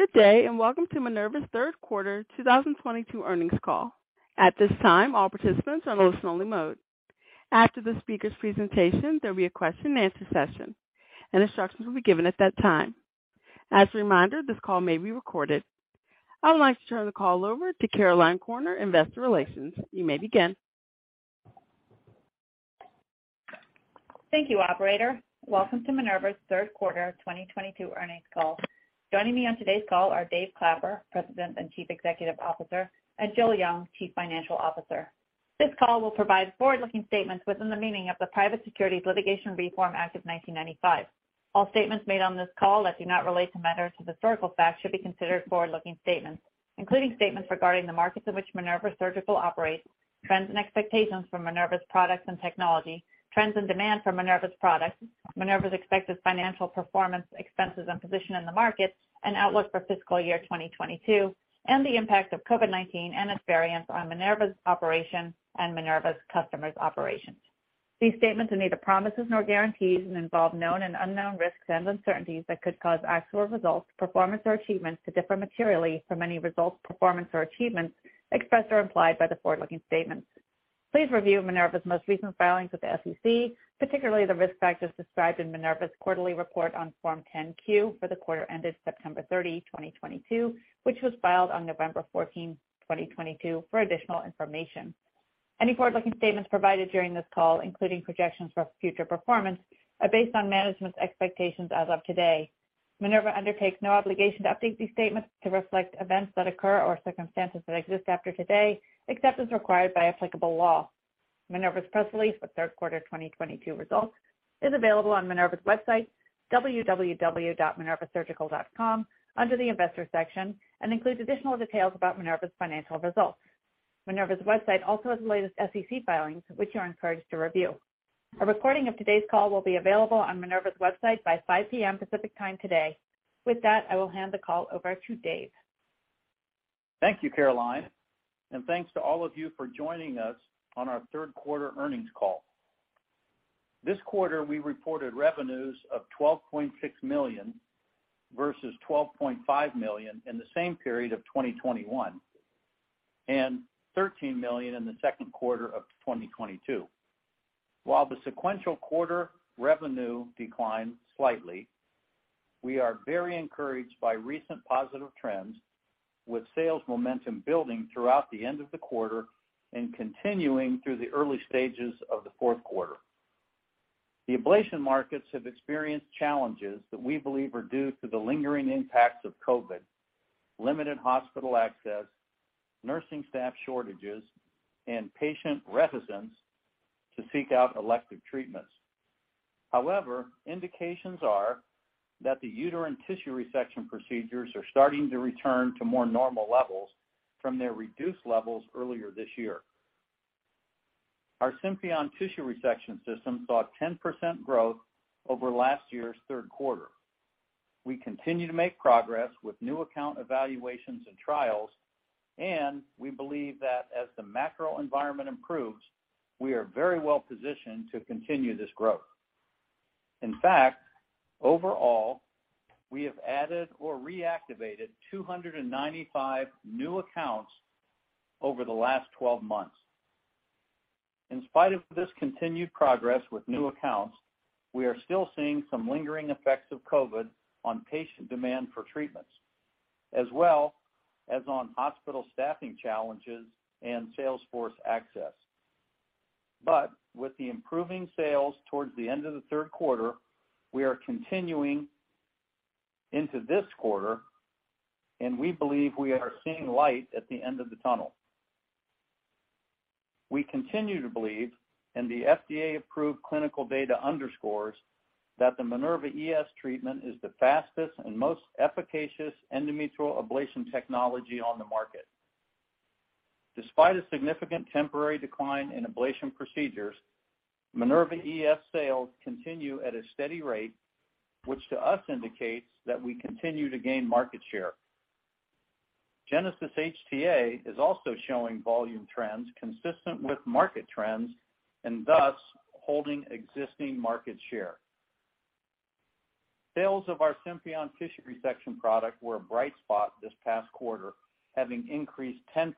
Good day, and welcome to Minerva's third quarter 2022 earnings call. At this time, all participants are in listen only mode. After the speaker's presentation, there'll be a question-and-answer session, and instructions will be given at that time. As a reminder, this call may be recorded. I would like to turn the call over to Caroline Corner, Investor Relations. You may begin. Thank you, operator. Welcome to Minerva's third quarter 2022 earnings call. Joining me on today's call are David Clapper, President and Chief Executive Officer, and Joel Jung, Chief Financial Officer. This call will provide forward-looking statements within the meaning of the Private Securities Litigation Reform Act of 1995. All statements made on this call that do not relate to matters of historical fact should be considered forward-looking statements, including statements regarding the markets in which Minerva Surgical operates, trends and expectations for Minerva's products and technology, trends and demand for Minerva's products, Minerva's expected financial performance, expenses, and position in the markets and outlook for fiscal year 2022, and the impact of COVID-19 and its variants on Minerva's operations and Minerva's customers' operations. These statements are neither promises nor guarantees and involve known and unknown risks and uncertainties that could cause actual results, performance, or achievements to differ materially from any results, performance, or achievements expressed or implied by the forward-looking statements. Please review Minerva's most recent filings with the SEC, particularly the risk factors described in Minerva's quarterly report on Form 10-Q for the quarter ended September 30, 2022, which was filed on November 14, 2022, for additional information. Any forward-looking statements provided during this call, including projections for future performance, are based on management's expectations as of today. Minerva undertakes no obligation to update these statements to reflect events that occur or circumstances that exist after today, except as required by applicable law. Minerva's press release for third quarter 2022 results is available on Minerva's website, www.minervasurgical.com, under the Investors section, and includes additional details about Minerva's financial results. Minerva's website also has the latest SEC filings, which you are encouraged to review. A recording of today's call will be available on Minerva's website by 5 P.M. Pacific Time today. With that, I will hand the call over to David. Thank you, Caroline, and thanks to all of you for joining us on our third quarter earnings call. This quarter, we reported revenues of $12.6 million versus $12.5 million in the same period of 2021 and $13 million in the second quarter of 2022. While the sequential quarter revenue declined slightly, we are very encouraged by recent positive trends, with sales momentum building throughout the end of the quarter and continuing through the early stages of the fourth quarter. The ablation markets have experienced challenges that we believe are due to the lingering impacts of COVID, limited hospital access, nursing staff shortages, and patient reticence to seek out elective treatments. However, indications are that the uterine tissue resection procedures are starting to return to more normal levels from their reduced levels earlier this year. Our Symphion tissue resection system saw a 10% growth over last year's third quarter. We continue to make progress with new account evaluations and trials, and we believe that as the macro environment improves, we are very well positioned to continue this growth. In fact, overall, we have added or reactivated 295 new accounts over the last 12 months. In spite of this continued progress with new accounts, we are still seeing some lingering effects of COVID on patient demand for treatments as well as on hospital staffing challenges and sales force access. With the improving sales towards the end of the third quarter, we are continuing into this quarter, and we believe we are seeing light at the end of the tunnel. We continue to believe, and the FDA-approved clinical data underscores, that the Minerva ES treatment is the fastest and most efficacious endometrial ablation technology on the market. Despite a significant temporary decline in ablation procedures, Minerva ES sales continue at a steady rate, which to us indicates that we continue to gain market share. Genesys HTA is also showing volume trends consistent with market trends and thus holding existing market share. Sales of our Symphion tissue resection product were a bright spot this past quarter, having increased 10%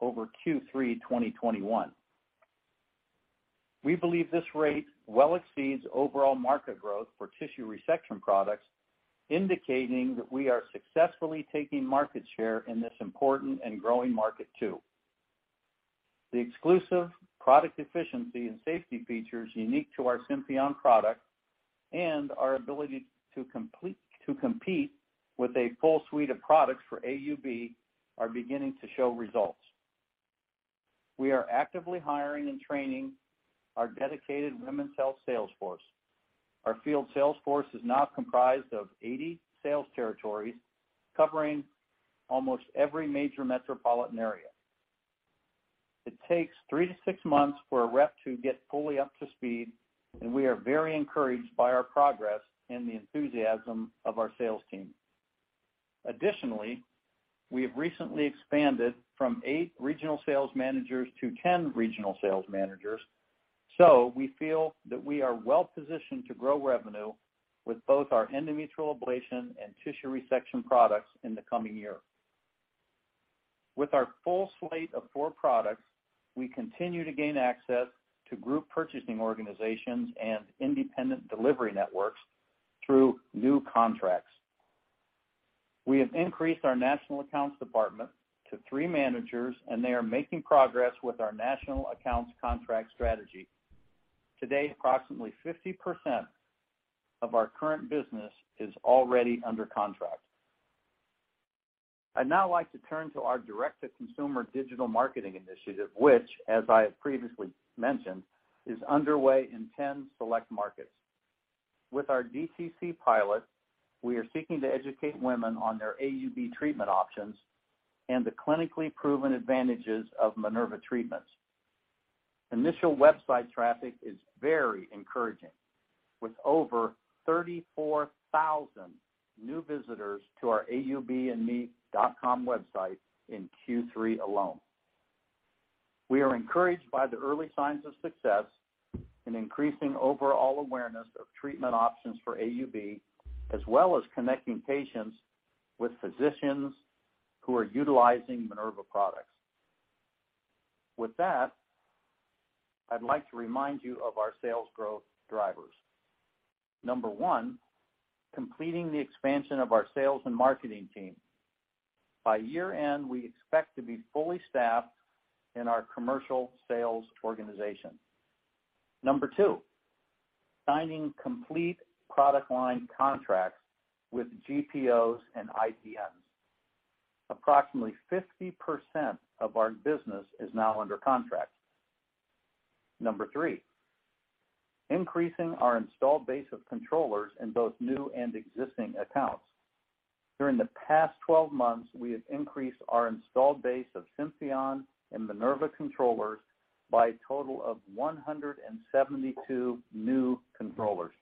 over Q3 2021. We believe this rate well exceeds overall market growth for tissue resection products, indicating that we are successfully taking market share in this important and growing market too. The exclusive product efficiency and safety features unique to our Symphion product and our ability to compete with a full suite of products for AUB are beginning to show results. We are actively hiring and training our dedicated women's health sales force. Our field sales force is now comprised of 80 sales territories covering almost every major metropolitan area. It takes three to six months for a rep to get fully up to speed, and we are very encouraged by our progress and the enthusiasm of our sales team. Additionally, we have recently expanded from eight regional sales managers to 10 regional sales managers. We feel that we are well-positioned to grow revenue with both our endometrial ablation and tissue resection products in the coming year. With our full slate of four products, we continue to gain access to group purchasing organizations and integrated delivery networks through new contracts. We have increased our national accounts department to three managers, and they are making progress with our national accounts contract strategy. To date, approximately 50% of our current business is already under contract. I'd now like to turn to our direct-to-consumer digital marketing initiative, which, as I have previously mentioned, is underway in 10 select markets. With our DTC pilot, we are seeking to educate women on their AUB treatment options and the clinically proven advantages of Minerva treatments. Initial website traffic is very encouraging. With over 34,000 new visitors to our AUBandMe.com website in Q3 alone. We are encouraged by the early signs of success in increasing overall awareness of treatment options for AUB, as well as connecting patients with physicians who are utilizing Minerva products. With that, I'd like to remind you of our sales growth drivers. Number one, completing the expansion of our sales and marketing team. By year-end, we expect to be fully staffed in our commercial sales organization. Number two, signing complete product line contracts with GPOs and IDNs. Approximately 50% of our business is now under contract. Number three, increasing our installed base of controllers in both new and existing accounts. During the past 12 months, we have increased our installed base of Symphion and Minerva controllers by a total of 172 new controllers.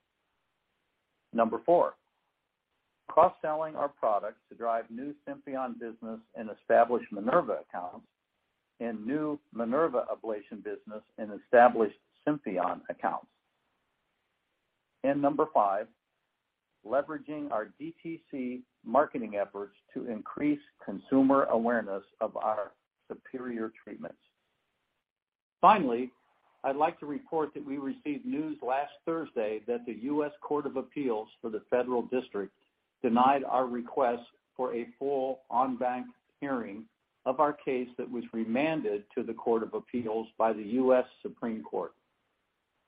Number four, cross-selling our products to drive new Symphion business in established Minerva accounts, and new Minerva ablation business in established Symphion accounts. Number five, leveraging our DTC marketing efforts to increase consumer awareness of our superior treatments. Finally, I'd like to report that we received news last Thursday that the U.S. Court of Appeals for the Federal Circuit denied our request for a full en banc hearing of our case that was remanded to the Court of Appeals by the U.S. Supreme Court.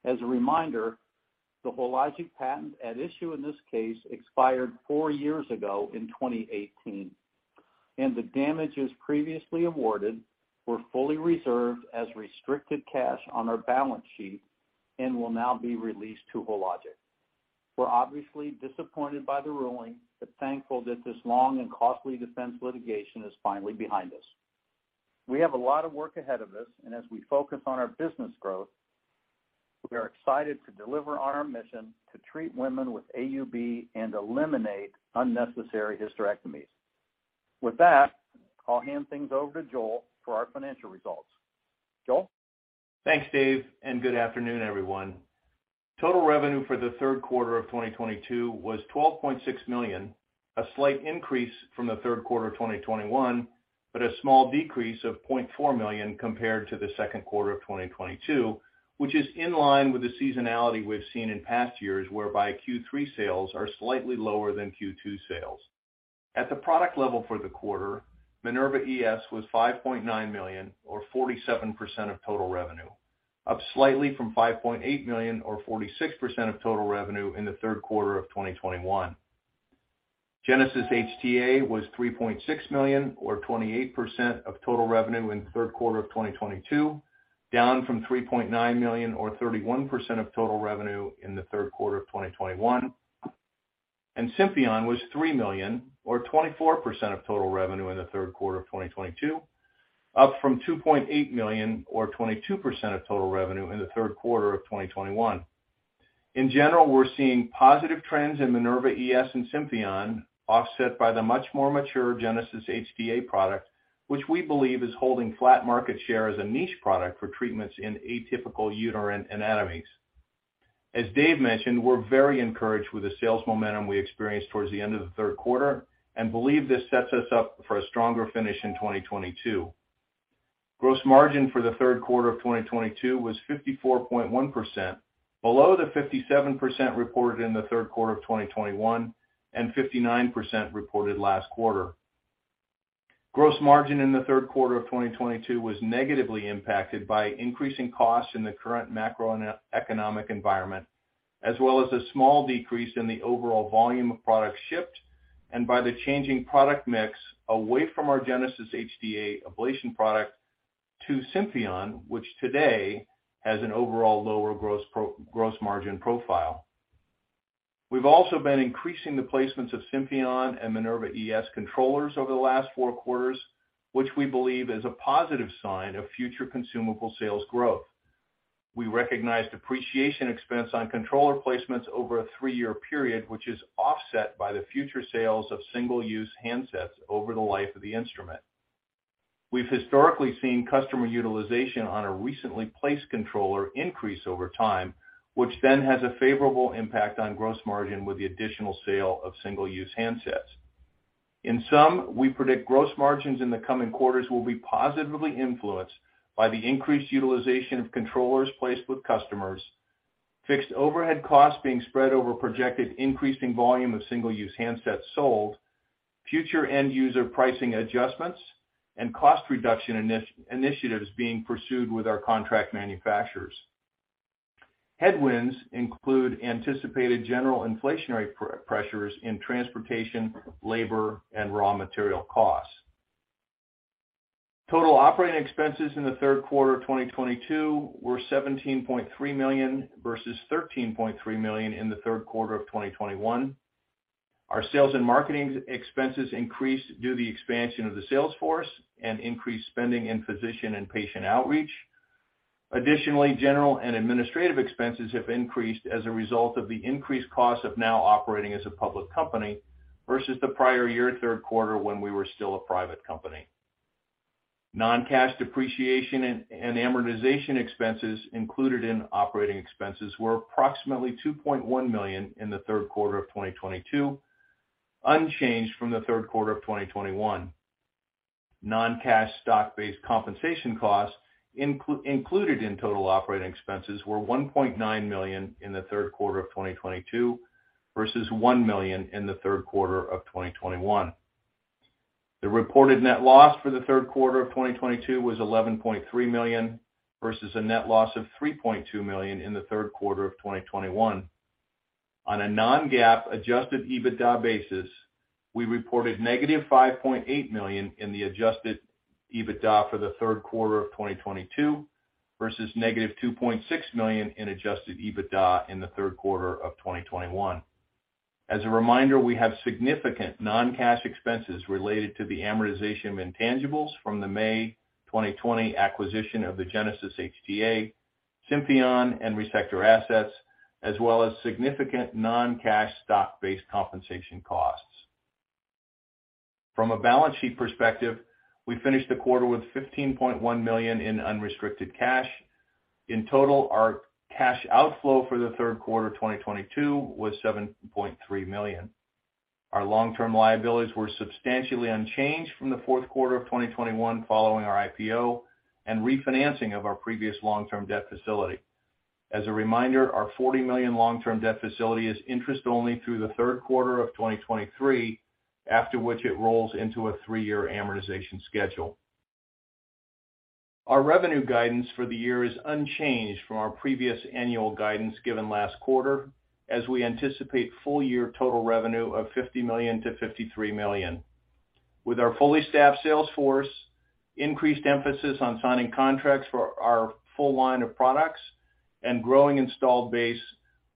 As a reminder, the Hologic patent at issue in this case expired four years ago in 2018, and the damages previously awarded were fully reserved as restricted cash on our balance sheet and will now be released to Hologic. We're obviously disappointed by the ruling, but thankful that this long and costly defense litigation is finally behind us. We have a lot of work ahead of us, and as we focus on our business growth, we are excited to deliver on our mission to treat women with AUB and eliminate unnecessary hysterectomies. With that, I'll hand things over to Joel for our financial results. Joel? Thanks, Dave, and good afternoon, everyone. Total revenue for the third quarter of 2022 was $12.6 million, a slight increase from the third quarter of 2021, but a small decrease of $0.4 million compared to the second quarter of 2022, which is in line with the seasonality we've seen in past years, whereby Q3 sales are slightly lower than Q2 sales. At the product level for the quarter, Minerva ES was $5.9 million or 47% of total revenue, up slightly from $5.8 million or 46% of total revenue in the third quarter of 2021. Genesys HTA was $3.6 million or 28% of total revenue in the third quarter of 2022, down from $3.9 million or 31% of total revenue in the third quarter of 2021. Symphion was $3 million or 24% of total revenue in the third quarter of 2022, up from $2.8 million or 22% of total revenue in the third quarter of 2021. In general, we're seeing positive trends in Minerva ES and Symphion offset by the much more mature Genesys HTA product, which we believe is holding flat market share as a niche product for treatments in atypical uterine anatomies. As Dave mentioned, we're very encouraged with the sales momentum we experienced towards the end of the third quarter and believe this sets us up for a stronger finish in 2022. Gross margin for the third quarter of 2022 was 54.1%, below the 57% reported in the third quarter of 2021 and 59% reported last quarter. Gross margin in the third quarter of 2022 was negatively impacted by increasing costs in the current macroeconomic environment, as well as a small decrease in the overall volume of products shipped and by the changing product mix away from our Genesys HTA ablation product to Symphion, which today has an overall lower gross margin profile. We've also been increasing the placements of Symphion and Minerva ES controllers over the last four quarters, which we believe is a positive sign of future consumable sales growth. We recognize depreciation expense on controller placements over a three-year period, which is offset by the future sales of single-use handpieces over the life of the instrument. We've historically seen customer utilization on a recently placed controller increase over time, which then has a favorable impact on gross margin with the additional sale of single-use handpieces. In sum, we predict gross margins in the coming quarters will be positively influenced by the increased utilization of controllers placed with customers, fixed overhead costs being spread over projected increasing volume of single-use handsets sold, future end user pricing adjustments, and cost reduction initiatives being pursued with our contract manufacturers. Headwinds include anticipated general inflationary pressures in transportation, labor, and raw material costs. Total operating expenses in the third quarter of 2022 were $17.3 million versus $13.3 million in the third quarter of 2021. Our sales and marketing expenses increased due to the expansion of the sales force and increased spending in physician and patient outreach. Additionally, general and administrative expenses have increased as a result of the increased costs of now operating as a public company versus the prior year third quarter when we were still a private company. Non-cash depreciation and amortization expenses included in operating expenses were approximately $2.1 million in the third quarter of 2022, unchanged from the third quarter of 2021. Non-cash stock-based compensation costs included in total operating expenses were $1.9 million in the third quarter of 2022 versus $1 million in the third quarter of 2021. The reported net loss for the third quarter of 2022 was $11.3 million versus a net loss of $3.2 million in the third quarter of 2021. On a non-GAAP adjusted EBITDA basis, we reported -$5.8 million in the adjusted EBITDA for the third quarter of 2022 versus -$2.6 million in adjusted EBITDA in the third quarter of 2021. As a reminder, we have significant non-cash expenses related to the amortization of intangibles from the May 2020 acquisition of the Genesys HTA, Symphion and Resectr assets, as well as significant non-cash stock-based compensation costs. From a balance sheet perspective, we finished the quarter with $15.1 million in unrestricted cash. In total, our cash outflow for the third quarter of 2022 was $7.3 million. Our long-term liabilities were substantially unchanged from the fourth quarter of 2021 following our IPO and refinancing of our previous long-term debt facility. As a reminder, our $40 million long-term debt facility is interest only through the third quarter of 2023, after which it rolls into a three-year amortization schedule. Our revenue guidance for the year is unchanged from our previous annual guidance given last quarter, as we anticipate full year total revenue of $50 million-$53 million. With our fully staffed sales force, increased emphasis on signing contracts for our full line of products, and growing installed base,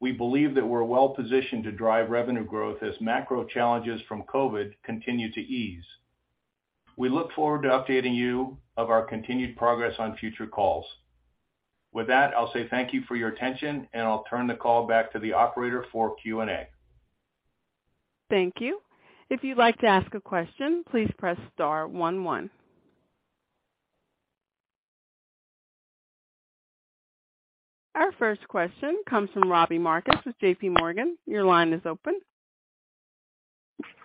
we believe that we're well positioned to drive revenue growth as macro challenges from COVID continue to ease. We look forward to updating you of our continued progress on future calls. With that, I'll say thank you for your attention, and I'll turn the call back to the operator for Q&A. Thank you. If you'd like to ask a question, please press star one. Our first question comes from Robbie Marcus with JPMorgan. Your line is open.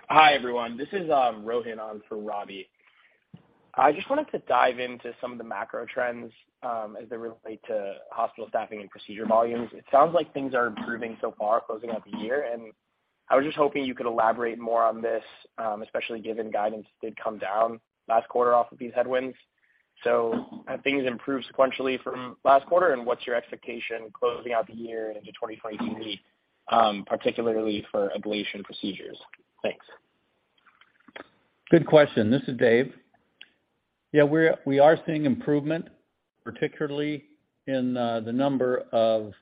Hi, everyone. This is Rohan on for Robbie. I just wanted to dive into some of the macro trends as they relate to hospital staffing and procedure volumes. It sounds like things are improving so far closing out the year, and I was just hoping you could elaborate more on this, especially given guidance did come down last quarter off of these headwinds. Have things improved sequentially from last quarter, and what's your expectation closing out the year into 2023, particularly for ablation procedures? Thanks. Good question. This is Dave. Yeah, we are seeing improvement, particularly in the number of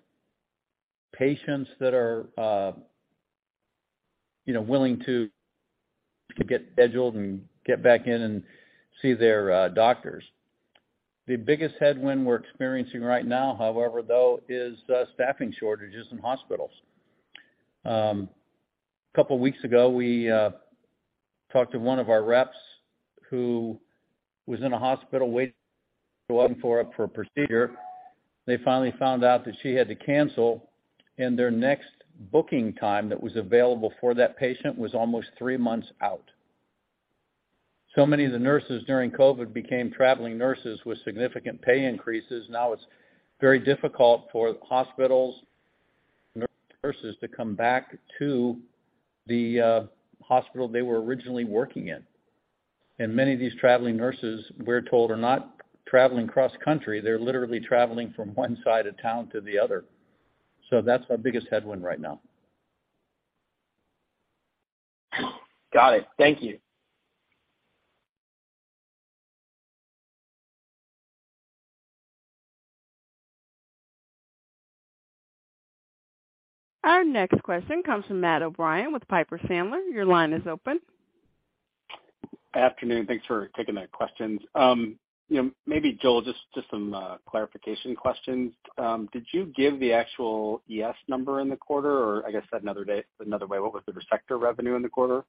patients that are you know willing to get scheduled and get back in and see their doctors. The biggest headwind we're experiencing right now, however, though, is staffing shortages in hospitals. A couple weeks ago, we talked to one of our reps who was in a hospital waiting for a procedure. They finally found out that she had to cancel, and their next booking time that was available for that patient was almost three months out. Many of the nurses during COVID became traveling nurses with significant pay increases. Now it's very difficult for hospitals and nurses to come back to the hospital they were originally working in. Many of these traveling nurses, we're told, are not traveling cross-country. They're literally traveling from one side of town to the other. That's our biggest headwind right now. Got it. Thank you. Our next question comes from Matt O'Brien with Piper Sandler. Your line is open. Afternoon. Thanks for taking the questions. You know, maybe Joel, just some clarification questions. Did you give the actual ES number in the quarter? Or I guess another way, what was the Resectr revenue in the quarter?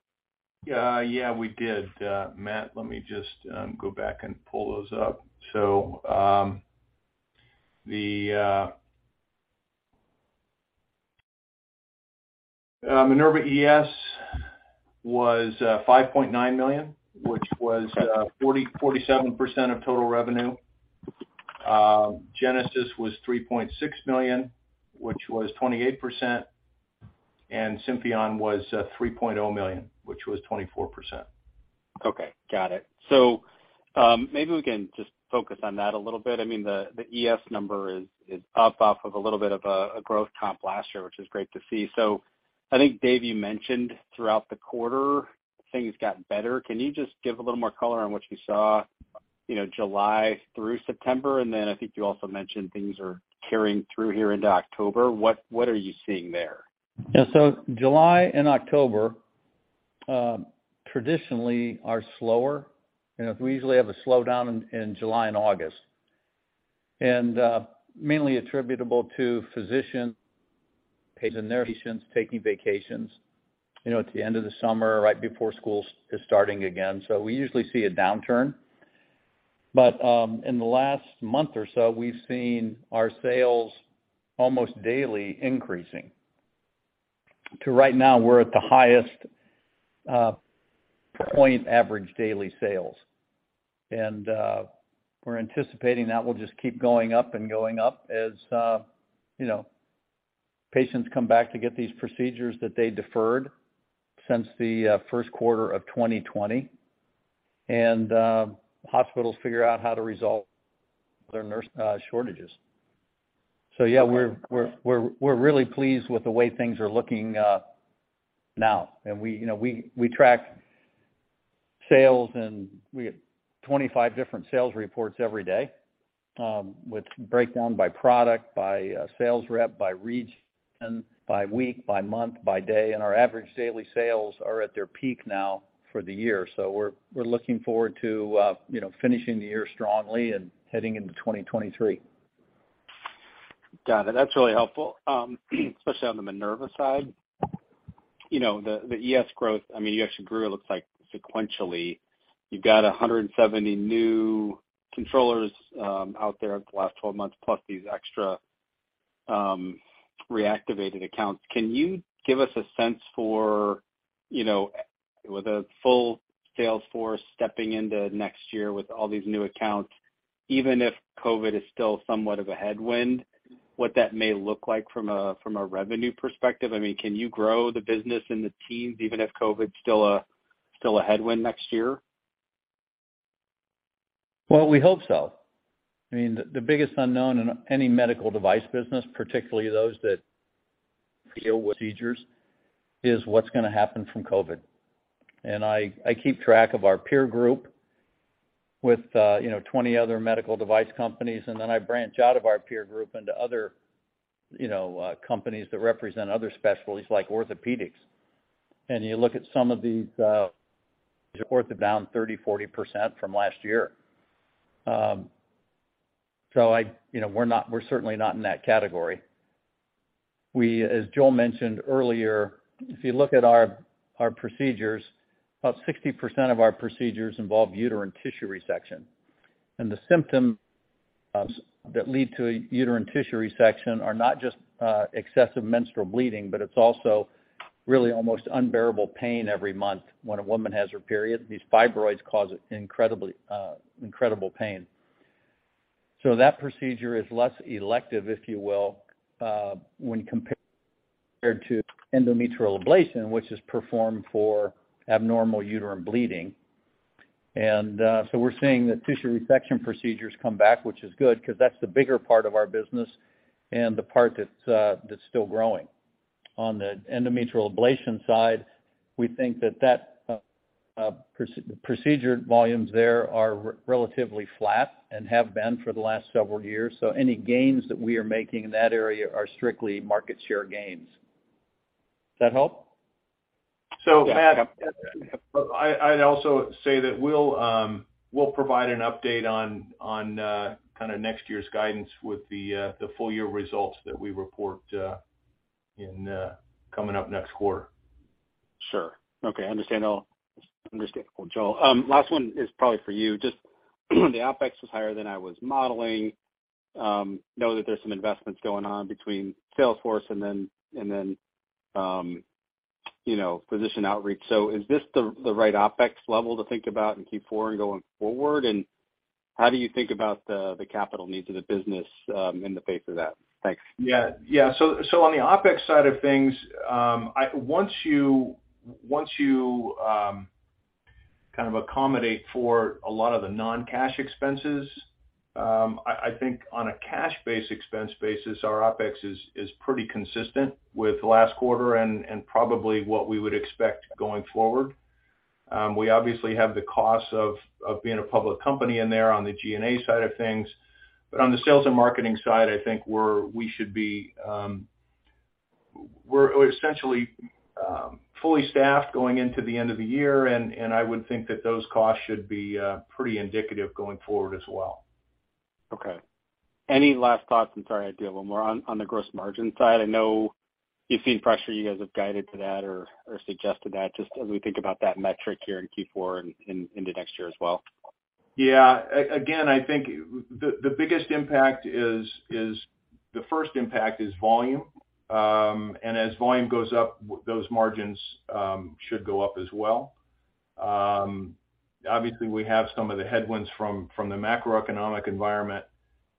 Yeah, we did, Matt. Let me just go back and pull those up. The Minerva ES was $5.9 million, which was 47% of total revenue. Genesys HTA was $3.6 million, which was 28%, and Symphion was $3.0 million, which was 24%. Okay. Got it. Maybe we can just focus on that a little bit. I mean, the ES number is up off of a little bit of a growth comp last year, which is great to see. I think, Dave, you mentioned throughout the quarter, things got better. Can you just give a little more color on what you saw, you know, July through September? Then I think you also mentioned things are carrying through here into October. What are you seeing there? Yeah. July and October traditionally are slower. You know, we usually have a slowdown in July and August, and mainly attributable to physicians and patients taking vacations, you know, at the end of the summer right before school is starting again. We usually see a downturn. In the last month or so, we've seen our sales almost daily increasing to right now we're at the highest average daily sales. We're anticipating that will just keep going up and going up as you know, patients come back to get these procedures that they deferred since the first quarter of 2020. Hospitals figure out how to resolve their nurse shortages. Yeah, we're really pleased with the way things are looking now. We, you know, track sales, and we get 25 different sales reports every day, with breakdown by product, by sales rep, by region, by week, by month, by day. Our average daily sales are at their peak now for the year. We're looking forward to, you know, finishing the year strongly and heading into 2023. Got it. That's really helpful, especially on the Minerva side. You know, the ES growth, I mean, you actually grew, it looks like sequentially you've got 170 new controllers out there the last 12 months, plus these extra reactivated accounts. Can you give us a sense for, you know, with a full sales force stepping into next year with all these new accounts, even if COVID is still somewhat of a headwind, what that may look like from a revenue perspective? I mean, can you grow the business and the teams even if COVID's still a headwind next year? Well, we hope so. I mean, the biggest unknown in any medical device business, particularly those that deal with procedures, is what's gonna happen from COVID. I keep track of our peer group with, you know, 20 other medical device companies, and then I branch out of our peer group into other, you know, companies that represent other specialties like orthopedics. You look at some of these reports are down 30%-40% from last year. You know, we're certainly not in that category. We, as Joel mentioned earlier, if you look at our procedures, about 60% of our procedures involve uterine tissue resection. The symptoms that lead to uterine tissue resection are not just excessive menstrual bleeding, but it's also really almost unbearable pain every month when a woman has her period. These fibroids cause incredible pain. That procedure is less elective, if you will, when compared to endometrial ablation, which is performed for abnormal uterine bleeding. We're seeing the tissue resection procedures come back, which is good, 'cause that's the bigger part of our business and the part that's still growing. On the endometrial ablation side, we think that procedure volumes there are relatively flat and have been for the last several years. Any gains that we are making in that area are strictly market share gains. Does that help? Matt, I'd also say that we'll provide an update on kind of next year's guidance with the full year results that we report in coming up next quarter. Sure. Okay. I understand. Understandable, Joel. Last one is probably for you. Just the OpEx was higher than I was modeling. I know that there's some investments going on in Salesforce and, you know, physician outreach. Is this the right OpEx level to think about in Q4 and going forward? How do you think about the capital needs of the business in the face of that? Thanks. Yeah. Yeah. On the OpEx side of things, once you kind of accommodate for a lot of the non-cash expenses, I think on a cash basis expense basis, our OpEx is pretty consistent with last quarter and probably what we would expect going forward. We obviously have the costs of being a public company in there on the G&A side of things. But on the sales and marketing side, I think we should be essentially fully staffed going into the end of the year, and I would think that those costs should be pretty indicative going forward as well. Okay. Any last thoughts? I'm sorry, I do have one more. On the gross margin side, I know you've seen pressure, you guys have guided to that or suggested that just as we think about that metric here in Q4 and into next year as well. Yeah. Again, I think the biggest impact is the first impact is volume. As volume goes up, those margins should go up as well. Obviously we have some of the headwinds from the macroeconomic environment.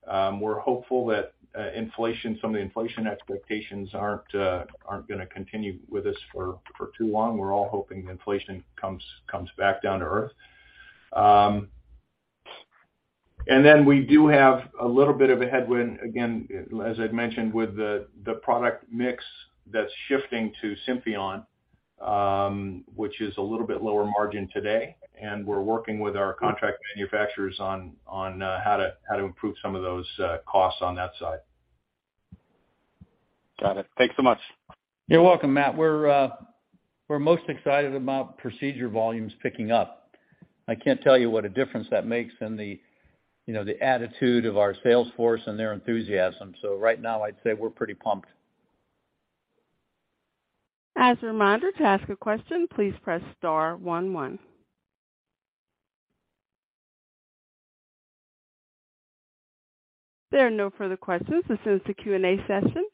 We're hopeful that inflation, some of the inflation expectations aren't gonna continue with us for too long. We're all hoping inflation comes back down to earth. Then we do have a little bit of a headwind, again, as I'd mentioned, with the product mix that's shifting to Symphion, which is a little bit lower margin today. We're working with our contract manufacturers on how to improve some of those costs on that side. Got it. Thanks so much. You're welcome, Matt. We're most excited about procedure volumes picking up. I can't tell you what a difference that makes in the, you know, the attitude of our sales force and their enthusiasm. Right now I'd say we're pretty pumped. As a reminder, to ask a question, please press star one. There are no further questions. This ends the Q&A session.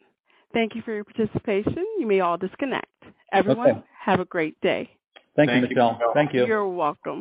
Thank you for your participation. You may all disconnect. Okay. Everyone, have a great day. Thank you, Michelle. Thank you. You're welcome.